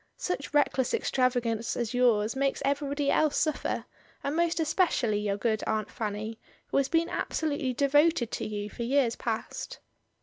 "Such reckless extravagance as yours makes everybody else suffer, and most especially your good Aunt Fanny, who has been absolutely devoted to you for years past."